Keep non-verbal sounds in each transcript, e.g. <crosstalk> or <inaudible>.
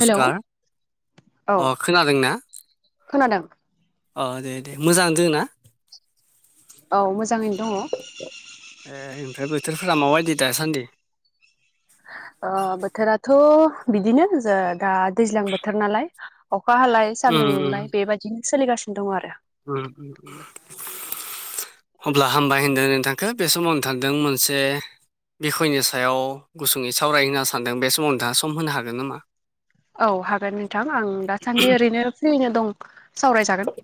Hello औ अ खोनादों ना? खोनादों। अ दे दे मोजां दों ना? औ मोजाङैनो दङ। ए ओमफ्राय बोथोरफोरा माबायदि दासान्दि? बोथोराथ' बिदिनो ज दा दैज्लां बोथोर नालाय। अखा हालाय उम सानदुं उम दुंलाय बेबायाददिनो सोलिगासिनो दं आरो। उम <inaudible> अब्ला हामबाय होनदों नोंथांखौ बे समाव नोंथांदों मोनसे बिसयनि सायाव गुसुङै सावरायहोनो सानदों बे समाव नोंथाङा सम होनो हागोन नामा? औ हागोन नोंथां आं दासान्दि ओरैनो फ्रिनो दं सावरायजागोन।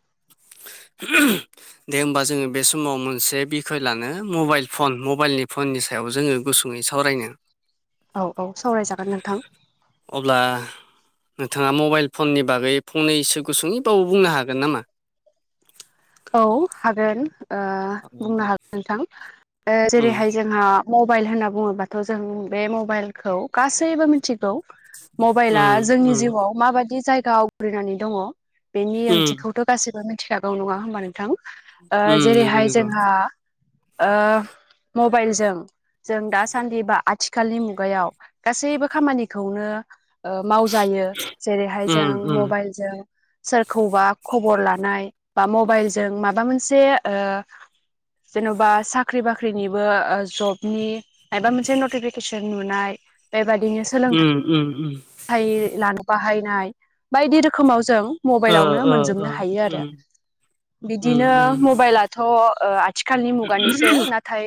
<inaudible> दे होमबा जोङो बे समाव मोनसे बिखय लानो, मबाइल फन मबाइलनि फननि सायाव जोङो गुसुङै सावरायनो औ औ सावरायजागोन नोंथां। अब्ला नोंथाङा मबाइल फननि बागै फंनैसो गुसुङै बाबो बुंनो हागोन नामा? औ हागोन बुंनो उम हागोन नोंथां जेरैहाय जोंहा मबाइल होनना बुङोबाथ' जों बे मबाइलखौ गासैबो मिथिगौ। मबाइला उम जोंनि उम जिउआव माबायदि जायगा आवग्रिनानै दङ बेनि उम ओंथिखौथ' गासैबो मिथिखागौ नङा होमबा नोंथां उम नंगौ जेरैहाय नंगौ जोंहा ओ मबाइलजों जों दासान्दि बा आथिखालनि मुगायाव गासैबो खामानिखौनो मावजायो जेरैहाय उम जों उम मबाइलजों सोरखौबा खबर लानाय बा मबाइलजों माबा मोनसे जेन'बा साख्रि बाख्रिनिबो जबनि मबा मोनसे नटिफिकेसन नुनाय बेबायदिनो जों उम उम उम फाय लानो बाहायनाय बायदि रोखोम खोमाव जों ओ मबाइलावनो ओ मोनजोबनो हायो आरो उम उम बिदिनो उम मबाइला थ' आथिखालनि मुगानिसो नाथाय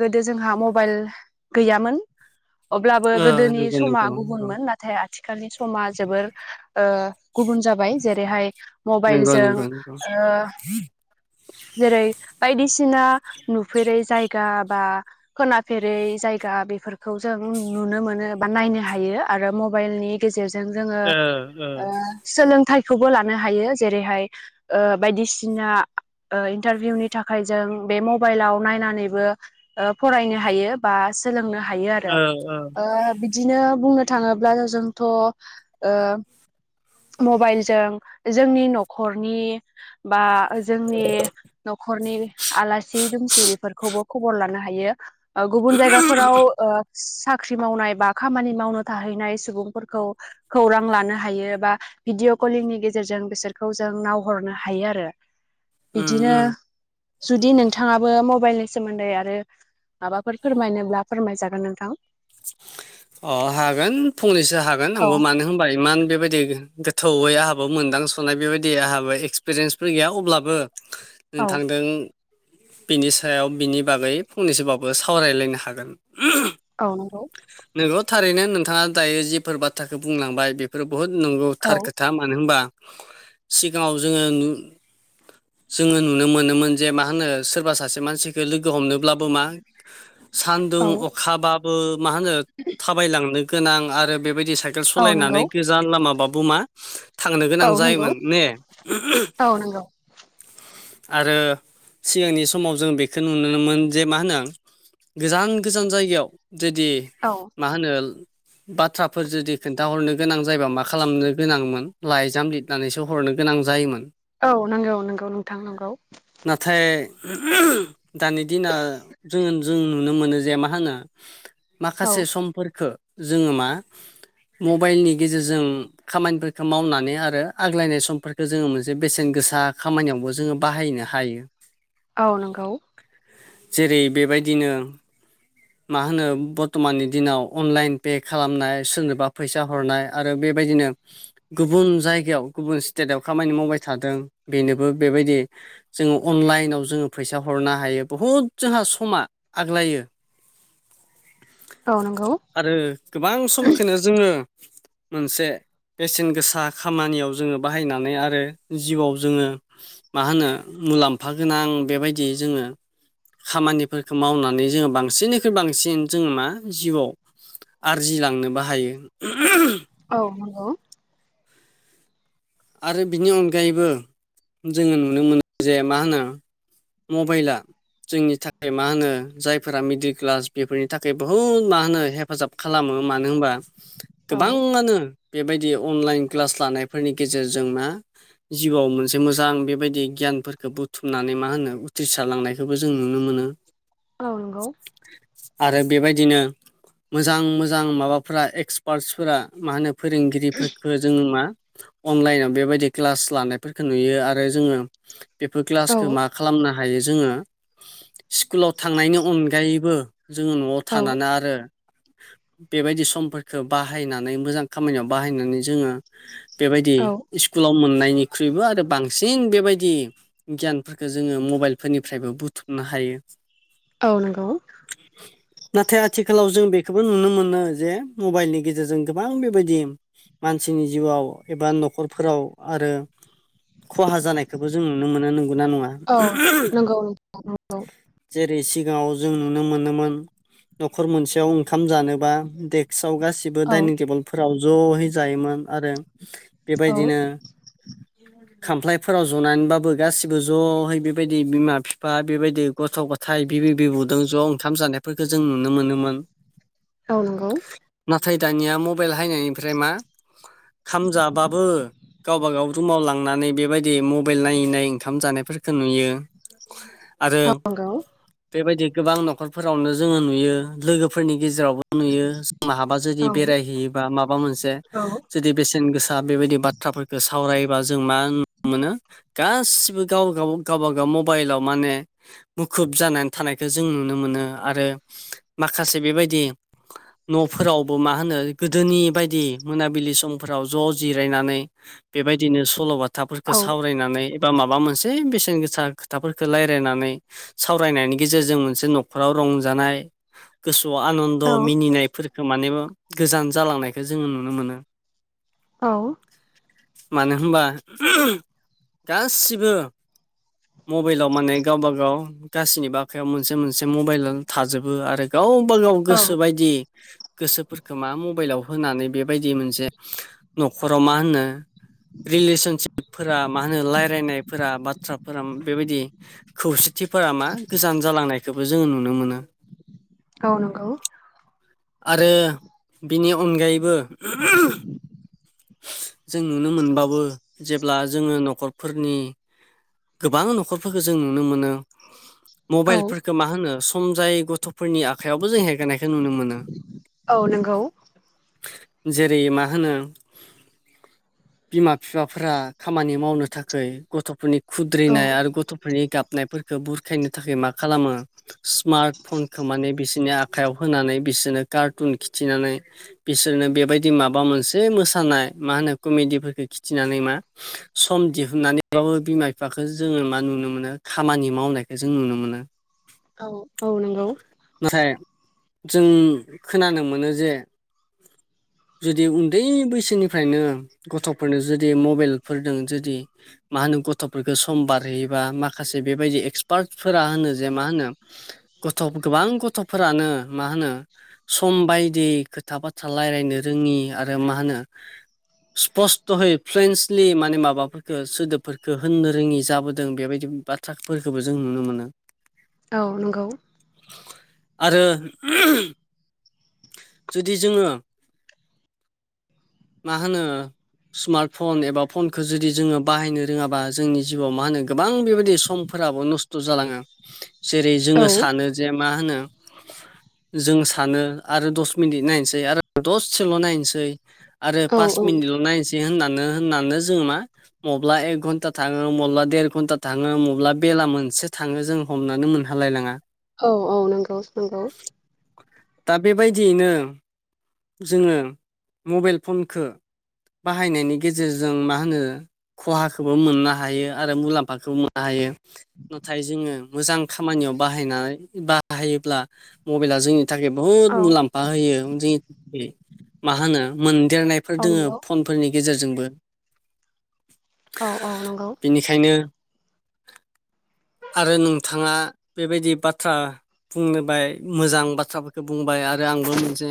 गोदो जोंहा मबाइल गैयामोन अब्लाबो ओ गोदोनि नंगौ समा नंगौ नंगौ गुबुनमोन नाथाय नाथाय आथिखालनि समा जोबोर गुबुन जाबाय जेरैहाय नंगौ मबाइलजों नंगौ नंगौ ओ जेरै बायदिसिना नुफेरै जायगा बा खोनाफेरै जायगा बेफोरखौ जों नुनो मोनो बा नायनो हायो आरो म मबाइलनि गेजेरजों जोङो ओ ओ सोलोंथाइखौबो लानो हायो जेरैहाय बायदिसिना इन्टारभिउनि थाखाय जों बे मबाइलाव नायनानैबो फरायनो हायो बा सोलोंनो हायो आरो ओ ओ बिदिनो बुंनो थाङोबा ब्लानो जोंथ' ओ मबाइलजों जोंनि न'खरनि बा जोंनि न'खरनि आलासि दुमसि बेफोरखौबो खबर लानो हायो गुबुन जायगाफोराव साख्रि मावनाय बा खामानि मावनो थाहैनाय सुबुंफोरखौ खौरां लानो हायो एबा भिडिअ कलिंनि गेजेरजों बिसोरखौ जों नायहरनो हायो आरो उम बिदिनो उम जुदि नोंथाङाबो मबाइलनि सोमोन्दै आरो माबाफोर फोरमायनोब्ला फोरमायजागोन नोंथां अह हागोन फंनैसो हागोन औ आंबो मानो होमबा इमान बेबायदि गोथौयै आंहाबो मोनदांसनाय बेबायदि आंहाबो एक्सपिरियेन्सफोर गैया अब्लाबो औ नोंथांजों बिनि सायाव बिनि बागै फंनैसोबाबो सावरायलायनो हागोन औ नंगौ नंगौ थारैनो नोंथाङा दायो जिफोर बाथ्राखौ बुंलांबाय बेफोर बुहुत नंगौ औ थार खोथा मानो होनबा सिगाङाव जोङो जोङो नुनो मोनोमोन जे मा होनो सोरबा सासे मानसिखौ लोगो हमनोब्लाबो मा <inaudible> सानदुं औ अखाबाबो मा होनो थाबायलांनो गोनां आरो बेबायदि साइ साइकेल औ सालायनानै नंगौ गोजान लामाबाबो मा थांनो गोनां औ नंगौ जायोमोन ने औ नंगौ आरो सिगांनि समाव जों बेखौ नुनोमोन जे मा होनो गोजान गोजान जायगायाव जुदि औ मा होनो बाथ्राफोर जुदि खोन्थाहरनो गोनां जायोबा मा खालामनो गोनांमोन लाइजाम लिर नानैसो हरनो गोनां जायोमोन औ नंगौ नंगौ नोंथां नंगौ नाथाय दानि दिनाव जोङो जों नुनो मोनो जे मा होनो माखासे औ समफोरफोरखौो जोङो मा मबाइलनि गेजेरजों खामानिफोरखौ मावनानै आरो आग्लायनाय समफोरखौ जोङो मोनसे बेसेन गोसा खामानियावबो जोङो बाहायनो हायो औ नंगौ जेरै बेबायदिनो मा होनो बर्थमाननि दिनाव अनलाइन पे खालामनाय सोरनोबा फैसा हरनाय आरो बेबायदिनो गुबुन जायगायाव गुबुन स्टेटाव खामानि मावबाय थादों बेनोबो बेबायदि जोङो अनलाइनाव जोङो फैसा हरनो हायो बुहुद जोंहा समा आग्लायो औ नंगौ आरो गोबां समखौनो जोङो मोनसे बेसेन गोसा खामानियाव जोङो बाहायनानै आरो जिउआव जोङो मा होनो मुलाम्फा गोनां बेबायदि जोङो खामानिफोरखौ मावनानै जोङो बांसिन बांसिननिख्रुइ बांसिन जों मा जिउआव आरजिलांनोबो हायो। औ नंगौ आरो बिनि अनगायैबो जोङो नुनो मोनो जे मा होनो मबाइला जोंनि थाखाय मा होनो जायफोरा मिडिल क्लास बेफोरनि थाखाय बहुद मा होनो हेफाजाब खालामो मानो होनबा औ गोबाङानो बेबायदि अनलाइन क्लास लानायफोरनि गेजेरजोंना जिउआव मोनसे मोजां बेबायदि गियानफोरखौ बुथुमनानै मा होनो उथ्रिसारलांनाय बेखौबो जों नुनो मोनो। आ नगौ आरो बेबायदिनो मोजां मोजां माबाफोरा एक्सपार्टसफोरा मा होनो फोरोंगिरिफोरखौ जोङो मा अनलाइनाव बेबायदि क्लास लानायफोरखौ नुयो आरो जोङो बेफोर औ क्लासखौ मा खालामनो हायो जोङो स्कुलाव थांनायनि अनगायैबो जोङो न'आव औ थानानै आरो बेबायदि समफोरफोरखौ बाहायनानै मोजां खामानियाव बाहायनानै जोङो बेबायदि औ स्कुलाव मोननायनिख्रुइबो आरो बांसिन बेबायदि गियानफोरखौ जोङो मबाइलफोरनिफ्रायबो बुथुमनो हायो। औ नंगौ। <unintelligible> नाथाय आथिखालाव जों बेखौबो नुनो मोनो जे मबाइलनि गेजेरजों गोबां बेबायदि मानसिनि जिउआव एबा न'खरफोराव आरो खहा जानायखौबो जों नुनो मोना नंगौ नना नङा? औ नंगौ नंगौ जेरै सिगाङाव जों नुनो मोनोमोन न'खर मोनसेयाव ओंखाम जानोबा देक्सआव गासैबो गासिबो औ दाइनिं टेबोलफोराव ज'यै जायोमोन आरो औ बेबायदिनो खामफ्लायफोराव जनानैबाबो गासिबो ज'यै बेबायदि बिमा बिफा बेबायदि गथ' गथाय फाय बिबै बिबुदों ज' ओंखाम जानायफोरखौ जों नुनो मोनोमोन औ नंगौ नाथाय दानिया मबाइल हायनायनिफ्राय मा खामजाबाबो गावबाागाव रुमाव लांनानै बेबायदि मबाइल नायै नायै ओंखाम जानायफोरखौ नुयो। आरो औ नंगौ बेबायदि गोबां न'खरफोरावनो जोङो नुयो लोगोफोरनि गेजेरावबो नुयो जों महाबा जुदि औ बेरायहैयोबा माबा मोनसे औ जुदि बेसे बेसेन गोसा बेबायदि बाथ्राफोरखौ सावरायायोबा जों मा नुनो मोनो गाससिबो गाव गाव गावबागाव मबाइलाव माने मुखुब जानानै थानायखौ जों नुनो मोनो आरो माखासे बेबायदि न'फोरावबो मा होनो गोदोनि बायदि मोनाबिलि सम फोराव ज' जिरायनानै बेबायदिनो सल'बाथाफोरखौ साव रायनानै एबा माबा मोनसे बेसेन गोसा खोथाफोरखौ रायज्लायनानै सावरायनायनि गेजेरजों मोनसे न'खराव रंजानाय गोसोआव आनन्द औ मिनिनायफोरखौ माने गोजान जालांनायखौ जोंङो नुनो मोनो औ मानो होनबा गासिबो मबाइलाव माने गावबा गाव गाससिनिबो आखायाव मोनसे मोनसे मबाइल थाजोबो आरो गावबा गाव औ गोसो बायदि गोसोफोरखौ मा मबाइलाव होनानै बेबायदि मोनसे न'खराव मा होनो रिलेसनसिपफोरा मा होनो रायलायनायफोरा बाथ्राफोरा बेबायदि खौसेथिफोरा मा गोजान जालांनायखौबो जोंङो नुनो मोनो। औ नंगौ आरो बिनि अनगायैबो जों नुनो मोनबाबो जेब्ला जोंङो न'खरफोरनि गोबां न'खरफोरखौ जों नुनो मोनो औ मबाइलफोरखो मा होनो सम जायै गथ'फोरनि आखाइायावबो जों हेगारनायखौ नुनो मोनो। औ नंगौ जेरै मा होनो बिमा बिफाफोरा खामानि मावनो थाखाय गथ'फोरनि औ खुद्रिनाय आरो गथ'फोरनि गाबनायफोरखौ बुरखायनो थाखाय मा खालामो स्मार्ट फनखौ माने बिसोरनि आखायाव होनानै बिसोरनो कार्टुन खिथिनानै बिसोरनो बेबायदि माबा मोनसे मोसानाय मा होनो कमेडिफोरखौ खिथिनानै मा सम दिहुननानैबाबो बिमा बिफाखो जोंङो मा नुनो मोनो खामानि मावनायखौ जों नुनो मोनो। <inaudible> औ औ नंगौ नाथाय जों खोनानो मोनो जे जुदि उन्दै बै बिनिफ्रायनो गथ'फोरनो जुदि मबाइलफोरजों जुदि मा होनो गथ'फोरखो सम बारहैयोबा माखासे बेबायदि एक्सपार्टफोरा होनो जे मा होनो गथ' गोबां गथ'फोरानो मा होनो सम बायदि खोथा बाथ्रा रायलायनो रोङि आरो मा होनो स्पस्त'यै फ्लुेन्सलि माने माबाफोरखौ सोदोबफोरखौ होननो रोङि जाबोदों बेबायदि बा ट्राकफोरखौबो जों नुनो मोनो। औ नंगौ आरो जुदि जोंङो मा होनो स्मार्ट फन एबा फनखौ जुदि जोंङो बाहायनो रोङाबा जोंनि जिउआव मा होनो गोबां बेबायदि सम फोराबो नस्थ' जालाङो जेरै जोंङो सानो जे मा होनो जों सानो आरो दस मिनिट नायनोसै आरो दसेल' नायनोसै आरो पास औ मिनिटल' नायसै होननानो होननानो जोंङो मा मब्ला एक घन्टा थाङो मब्ला देर घन्टा थाङो मब्ला बेला मोनसे थाङो जों हमनानै मोनहालायलाङा औ औ नंगौ नंगौ दा बेबायदियैनो जोंङो मबाइल फनखो बाहायनायनि गेजेरजों मा होनो खहाखौबो मोननो हायो आरो मुलाम्फाखौबो मोननो हायो। नाथाय जोंङो मोजां खामानियाव बाहायनाय बाहायोब्ला मबाइला जोंनि थाखाय बुहुत मुलाम्फा होयो जुदि मा होननो मोनदेरनायफोर दोङो औ नंगौ फन फोरनि गेजेरजोंबो औ औ नंगौ बेनिखायनो आरो नोंथाङा बेबायदि बाथ्रा बुंनोबाय मोजां बाथ्राफोरखौ बुंबाय आरो आंबो मोनसे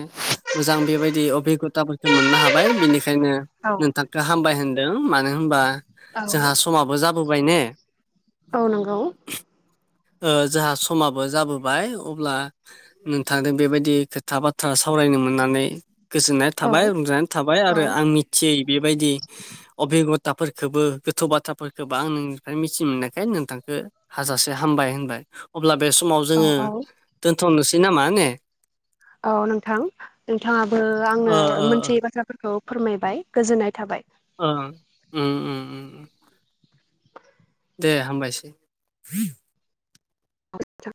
मोजां बेबायदि अबिगथाफोरखौ मोननो हाबाय बेनिखायनो नोंथां गाहामबाय होनदों मानो होनबा जोंहा औ समाबो जाबोबाय ने। औ नोंगौ। ओ जोंहा समाबो जाबोबाय अब्ला नोंथांदों बेबायदि खोथा बाथ्रा सावरायनो मोन नानै गोजोननाय औ थाबाय रंजानाय थाबाय औ आरो आं मिथियै बेबायदि अबे खथाफोरखोबो गोथौ बाथ्राफोर गोबां नोंनिफ्राय मिथि मोननायखाय नोंथांखो हाजासे हामबाय होनबाय अब्ला बे समाव औ जोङो औ दोनथ'नोसै नामा ने? औ नोंथां नोंथाङाबो ओ आंनो ओ ओ मोनथियै बाथ्रा फोरखौ फोरमायबाय गोजोननाय थाबाय। ओ उम उम उम। दे हामबायसै।